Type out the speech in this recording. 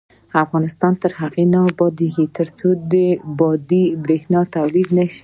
افغانستان تر هغو نه ابادیږي، ترڅو د باد بریښنا تولید نشي.